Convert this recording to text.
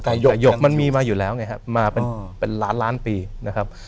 แต่หยกมันมีมาอยู่แล้วไงครับมาเป็นล้านล้านปีนะครับ